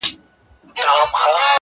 څوك به وران كي د ازل كښلي خطونه-